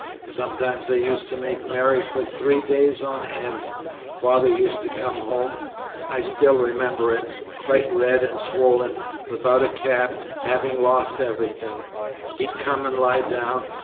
Sometimes they used to make merry for three days on end. Father used to come home I still remember it quite red and swollen, without a cap, having lost everything: he'd come and lie down.